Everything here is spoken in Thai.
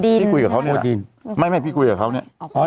โอดินใช่ไหมครับโอดินพี่คุยกับเขานั้นไม่พี่คุยกับเขานั้น